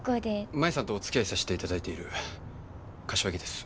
舞さんとおつきあいさしていただいてる柏木です。